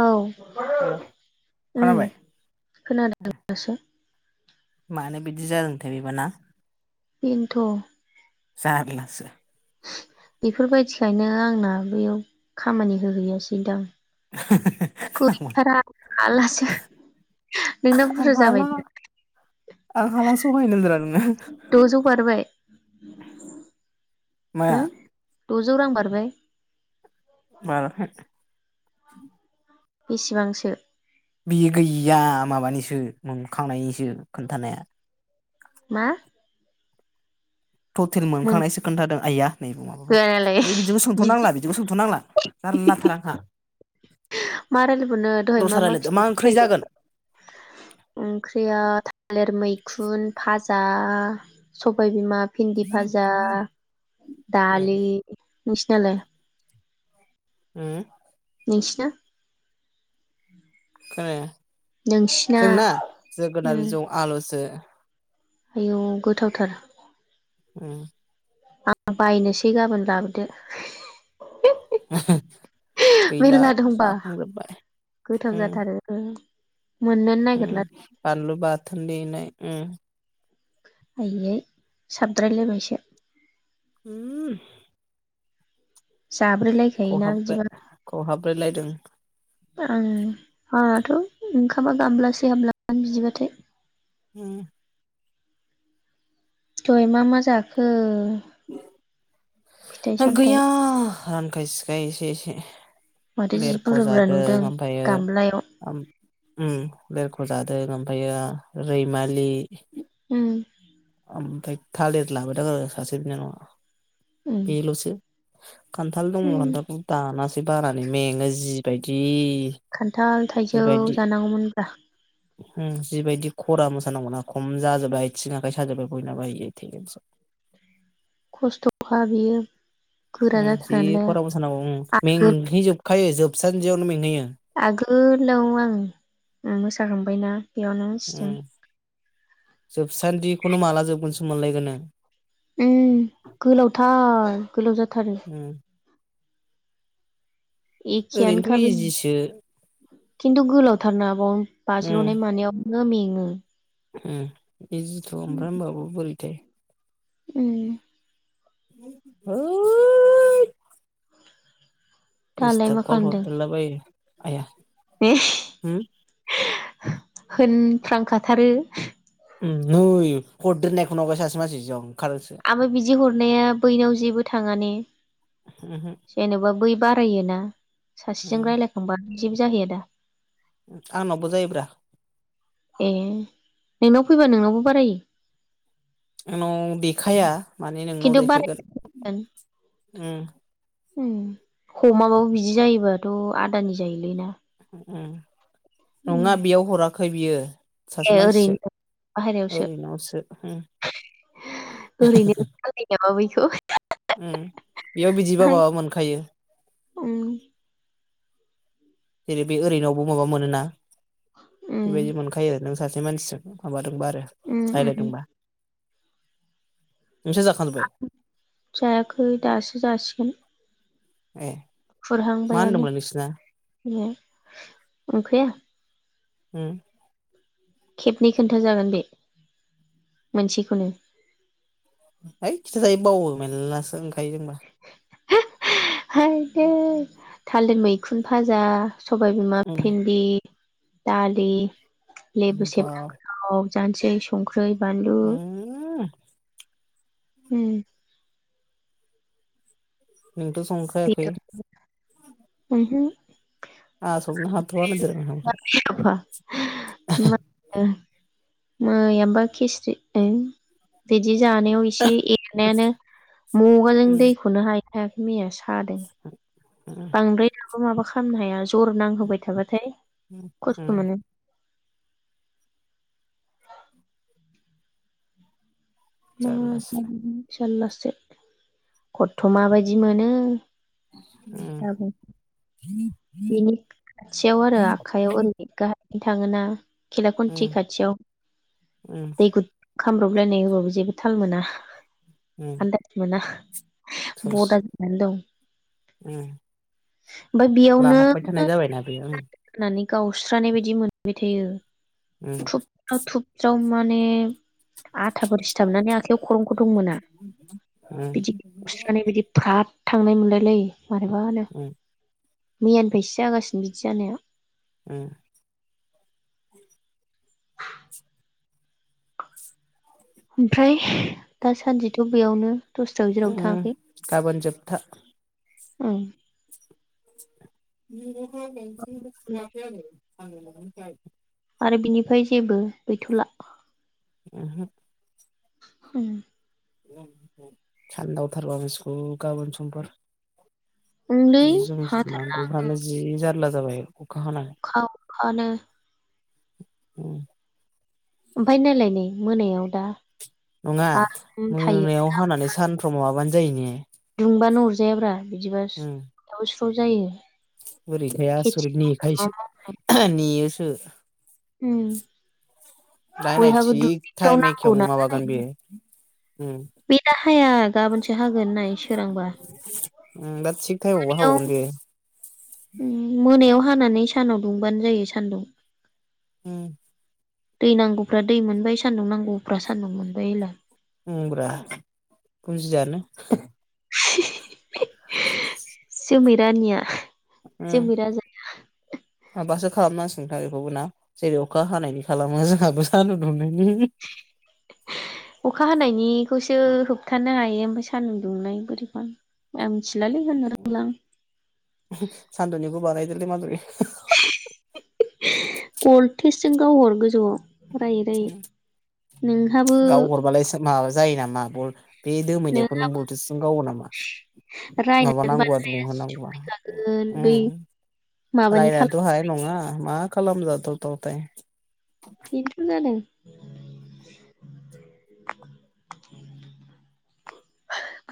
औ औ। हेल' उम खोनाबाय खोनादों दासो। मानो बिदि जादोंथाय बेबाना? बेनोथ'। जारलासो बेफोरबायदिखायनो आंना बेयाव खामानि होहैयासैदां। गैथारा हालासो आं नोंना आं बुरजा जाबाय हाला दां आं हाला सहायनोब्रा नोङो द'जौ बारबाय हो? माया द'जौ रां बारबाय? बाराखै। बेसेबांसो बियो गैया माबानिसो मोनखांनायनिसो खोन्थानाया मा? टटेल मोनखांसो खोन्थादों। आइया। नै माबाखौ मोनबोआलाय नै बिजोंखौ सोंथ'नांला बिदिखौ सोंथ'नांला जारलाथार आंहा। मा रायलायबावनो दहाय मा दस्रा मा रायलायदो फिथ ओंख्रि फथाय जागोन ओंख्रिया थालिर मै खुन फाजा सबाय बिमा भिन्दि भाजा उम दालि नोंसिनालाय हम नोंसिना खोनाया नोंसिना जोंना उम जोगोनार बिजौ आलुसो आयौ गोथावथार औ आं बायनोसै गाबोन लाबोदो गैला मेरला दंबा जाखांजोब्बाय गोथाव जाथारो ओ उ बानलु बा थोन देनाय उम आयै साबद्राय लायबायसो। उम। जाब्रैलायखायोना खहाब खहाबब्रेलाय दों उम उम। थ ओंखामा गामब्लासे हाबलां बिदिबाथाय। उम। दहाय मा मा जाखो। [inaudible] फिथाइ ओ सामथाइ गैया। रानखाय सिखाय एसे एसे। माथो जि लेरख' बुरजा बुरजा जादों नुदों ओमफ्रायो गामलायाव। उम लेरख' जादों ओमफ्रायो रैमालि। ऊम ओमफ्राय थालिर लाबोदों आरो सासे बिनानावआ। उम बेल'सो। [inaudible] खान्थाल दंमोन उम खान्थालाखौ दानासै। बानानै मेङो जिबायदि। खान्थाल थाइजौ जिबायदि जानांगौमोनब्रा। जिबायदि खरा मोसानांगौना खम जाजोबबाय आथिं। [inaudible] खस्थ'खा बियो गोरा उम जि जाथारो नालाय खरा मोसानांगौ उम आगोल [unintelligible] आगोलाव आं मोसाखां बायना। बेयावनो उम मिथिदों। जोबसान्दिखौनो माला जोबगोनसो मोनलायगोन नों। उम गोलावथार गोलाव जाथारो। उम ओरैनोथ' एखेयानोखा इजिसो खिन्थु गोलावथारना बाव उम बाज्ल'नाय मानायाव मेंङो। उम। इजिथ' ओमफ्राय होनबाबो बोरैथाय। उम। [unintelligible] दालाय दिसथाब कल हरथारलाबायो। आया उम [unintelligible] होनफ्लांखाथारो उम नोय खरदोहोनायखोनो नुवाखय सासे मानसिजों। आंबो बिदि हरनाया बैनाव जेबो थांङा ने? उमहो जेनेबा बैबा फैयोना? सासेजों उम रायलायखांबा जिब जाहैयादा? आंनावबो जायोब्रा। ए नोंनाव फैबा नोंनावबो बारायो? आंनाव देखाया। माने नोंनाव खिन्थु देखायगोन बाराय [unintelligible] उम। उम हमाबाबो बिदि जायोबाथ' आदानि जायोलै ना? उम। नङा उम बेयाव हरा खै बियो सासे ए मानसिसो ओरैनो बाहेरायावसो ओरैनावसो उम ओरैनो [unintelligible] खौ। उम बेयाव बिदिबा माबा मोनखायो। उम जेरै बै ओरैनावबो माबा मोनोना उम बेबायदि मोनखायो नोंसो सासे मानसि माबा दोंबा आरो उम उम रनायलायदोंबा जायाखै दासो जासिगोन। ए मा खुरहांबायानो होनदोंमोनलाय नोंसिना [inaudible] ओंखिया? उम। खेब नै खोन्था जागोन बे मोनसेखोनो हैओइ खिथ जायो बावो मेलला सोंओंखायो जोंबा। [unintelligible] थालिर मैखुन भाजा। सबाय बिमा उम भिन्दि दालि लेबो बाव सेबनांगौ जानसै संख्रि गै बानलु उम उम नोंथ' संखायाखै? बेदर उमहो आफा [inaudible] मैयामबा किस्रि [inaudible] बिदि जानायाव इसे एरनायानो म'गाजों उम दैखौनो हायो [inaudible] हादों उम बांद्राय बेखौ माबा खालामनो हाया जर नांहोबाय थाबाथाय खस्थ' मोनो [inaudible] जारलासो [inaudible] जारलासो खदथ' माबायदि मोनो। [inaudible] बिनि खाथियाव आरो आखाइयाव ओरै ग थाङोना? उम खेलाखानथि खाथियाव उम दै खामब्रबलायनाय होबाबो जेबो थाल मोना। उम आनदास मोना थोस बदा जानानै दं [inaudible] ओमफ्राय लाहाबबाय थानाय जाबायना बेयो माने गावस्रानाय बायदि मोनबाय थायो उम थुबगां थुुब जाव मा माने आथाफोर सिथाबनानै आखायाव खरं खथं मोना उम बिदिुस्रनानै बिदि फ्रत थांनाय मोनलायलायो मारैबा होनो उम मैयानिफ्रायसो जागासिनो बिदि जानाया उम ओमफ्राय दासान्दिथ' बेयावनो दस्रायाव जेरावबो उम थाङाखै गाबोन जोबथा उम [unintelligible] [inaudible] [inaudible] आरो बिनिफाय जेबो गैथ'ला ओहो ओम [unintelligible] ओंलै जि जोम सुनांगौफ्रानो जि जारला जाबाय अखा अखा अखानो औ ओमफाय नायलाय नै मोनायाव दा नङा आराम थायो मोनायाव हानानै सानफ्राव माबानो जायो ने दुंबानो अरजायाब्रा [inaudible] उम जायो बोरैथाय खेथि आसरिथ नेखायोसो नेयोसो सो उम दाहाय नाय थिख थाइम एखेयावनो नालाय माबागोन बेयो। उम बे दा हाया गाबोनसो हागोन नाय सोरांबा उम [unintelligible] दा थिग टाइमावबो हाबावगोन बेयो। उम मोनायाव हानानै सानाव दुंबानो जायो सानदुं उम दै नांगौफ्रा दै मोनबाय सान्दुं नांगौफ्रा सान्दुं मोनबाय एला उमब्रा बुजियानो [unintelligible] [inaudible] रानिया उम जोमै राजाया माबासो खालामनांसिगोनथ बेखौबो ना जेरै अखा हानायनि खालामो जोंहाबो सानदु दुंनायनि अखा हानायनिखौसो होबथानो हायो ओमफ्राय सान्दुं दुंनाय बोरैबा आं मिथिया गैलालै होननो रोंला आं। सानदुनिखौ [unintelligible] टेस्टजों गावहर गोजौआव रायै रायै नोंहाबो गाव हरबालाय माबा जायो नामा बल बे दोमैनायखौ नों बलथुसजों गावो नामा माबानांगौआ दुंहोनांगौआ रायनांगोन बै उम माबानि रायनायथ' खालाम हानाय नङा मा खालामजाथावथाव दे। बेनोथ' जादों।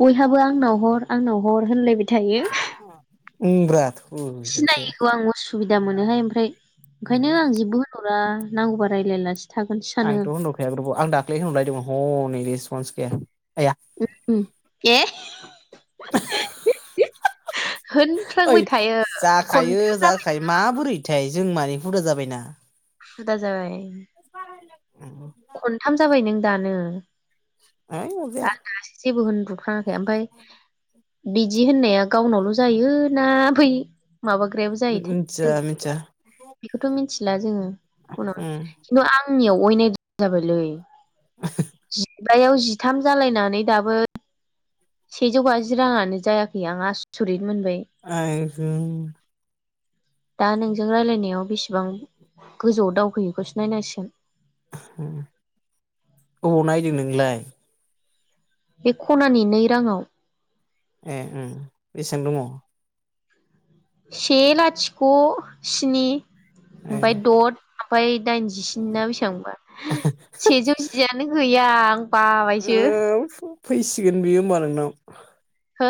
बयहाबो आंनाव हर आंनाव हर होनलायबाय थायो। उम ब्रा सिनायैखौ आंबो सु सुबिदा मोनोहाय ओमफ्राय। ओंखायनो आं जेबो होनहर रा नांगौबा रायलायालासि आंथ' होनहरखाया ग्रुबाव आं दाख्लि होनहरलायदोंमोन। हनै रिस्प'न्स गैया। आया उम [unintelligible] ओइ होनफ्लांबाय थायो जाखायो खनथाम जाबाय जाखायो माबोरैथाय जों मानि हुदा जाबायना। हुदा जाबाय। [unintelligible] खनथाम जाबाय नों दानो। अरजाया आंहासो जेबो होनब्र'फ्राङाखै ओमफ्राय बिदि होननाया गावनावल' जायो ना बै माबाग्रायाबो जायोथाय मिथिया मिथिया बेखौथ' मिथि मिथिला जोङो। ओम खिन्थु आं आंनियाव अयनायद्राय जाबायलै। [unintelligible] [unintelligible] जिथाम जालायनानै दाबो सेजौ बाजि राङानो जायाखै आं आसुरिद [unintelligible] दा नोंजों रायलायनायाव बेसेबां गोजौआव दावखोयोखौसो नायनांसिगोन। अबाव नायदों नोंलाय? बे खनानि नै राङाव। ए ओम बेसेबां दङ? से लाथिख' स्नि। ए ओमफ्राय दद ओमफाय दाइनजिस्नि ना बेसेबांबा सेजौ जियानो गैया। [unintelligible] बाबायसो ओ फैसिगोन बियो होनोमबा नोंनाव। हो!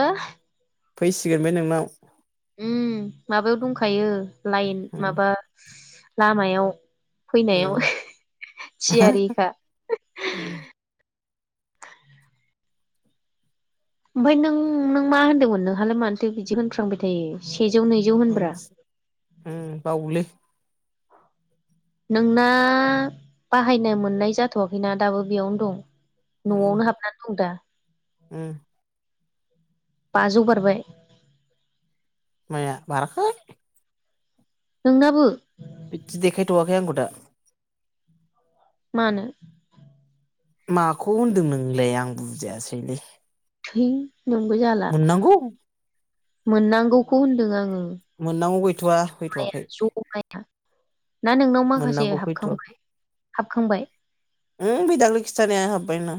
फैसिगोन बे नोंनाव। ओम माबायाव दंखायो। लाइन उम माबा लामायाव फैनायाव उम थियारिखा उम ओमफ्राय नों नों मा होनदोंमोन नोंहालाय मानोथो बिदि होनफ्रांबाय थायो सेजौ नैजौ ओम होनब्रा होम बावोलै। नोंना बाहायनो मोननाय जाथ'वाखैना दाबो बेयावनो दं। न'आवनो हाबनानै दं दा? ओम बाजौ बारबाय। माया बाराखौ। नोंनाबो? बिदि देखायथ'वाखै आंखौ दा। मानो? माखौ होनदों नोंलाय आं बुजायासैलै? है। नोंबो जाला। मोननांगौखौ होनदों आङो। मोननांगौ गैथ'वा ज'माया फैथ'वाखै ज'माया ना नोंनाव माखासे मोननांगौ फैथ'वाखै हाबखांबाय? हाबखांबाय? उम बै दाखालै खिथानाइया हाबबाय आंना।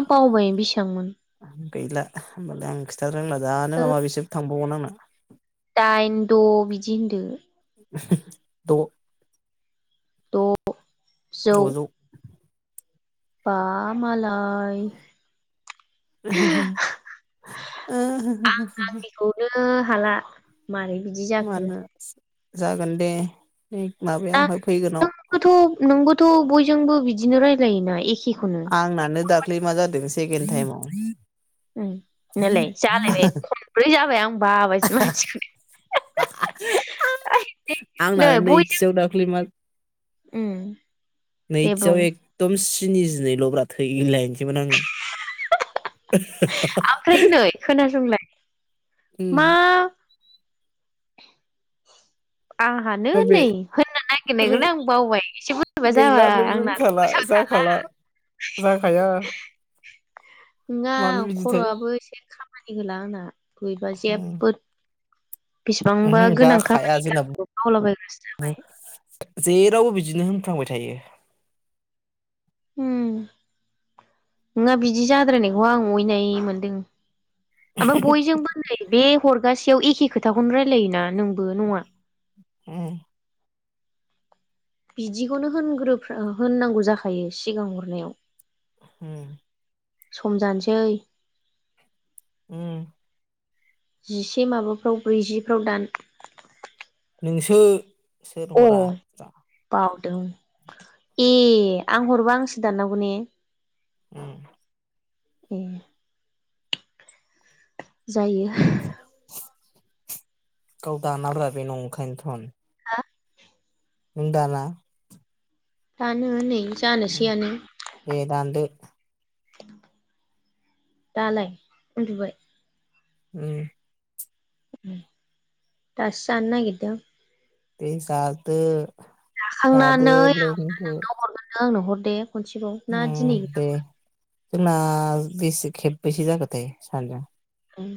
आं बावबाय बेसेबांमोन? गैला होमबालाय आं खिथा रोंला दानो माबा माबिसो थांबावगोन आंना। [unintelligible] दाइन द' बिदि होनदो। द'। द'। दजौ। बा माला [inaudible] ओ हाला। मारै बिदि जाखो? मानो जागोन दे। बै माबायावहाय फैगोननाव। नोंबोथ' नोंबोथ' बयजोंबो बिदिनो रायलायोना एखे। आंनानो दाख्लै मा जादों सो जेगेन थायेमाव। उम नायलाय जालायबाय खनब्रै जाबाय आं बाबायसो मानसिखो [inaudible] नै बयजों दे बुं नैथियाव एकदम सि स्निजनैल' ब्रा थै इनलइन्स मोन आङो। ओमफ्राय नै खोनासंलाय मा? आंहानो माबे नै होननो नागिरनायखौनो आं बावबाय एसे बुरैबा गैला जाबाय नों आंना रोंखाला गोसोआव थाला। जाखाला जाखाया नङा मानो बिदिथाय खर'वाबो एसे खाम खामानि होला आंना बैबा जेबबोद बेसेबांबा ओहो गोनां जाखाया खामानि जोंना थारखौबो बावलाबायग्रासो जाबाय जेरावबो बिदिनो होनफ्लांबाय थायो उम नोङा बिदि जाद्रायनायखौ आं अयनाय मोनदों आमफाय बयजों होनजायो बे हरगासेयाव एखे खोथाखौनो रायलायोना नोंबो नङा उम बिदिखौनो होनग्रोफ्रा होननांगौ जाखायो सिगां हरनायाव उम सम जानोसै उम जिसे माबाफ्राव ब्रैजिफ्राव दान नोंसो सोर हरा जा दों ए आं हरबा आंसो दाननांगौ ने उम ए जायो गाव दानाब्रा बे नंखायोनथ'न [unintelligible] नों दाना दानो नै उम जानोसैयानो दे दानदो दालाय उन्दुबाय उम उम दासो जानो नागिरदों दे जादो जादो जाखांनानै आं लोंदो नोंनाव हरगोन नों आंनो हर दे खनसेबाव ना दिनै उम दे नांला जोंना बेसे खेबबैसे जाखोथाय सानैजों उम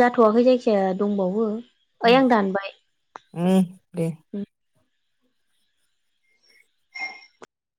जाथ'वाखै जायखिजाया दंबावो ओइ उम आं दानबाय उम दे